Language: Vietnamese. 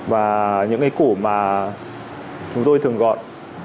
và những cái củ mà chúng tôi thường gọn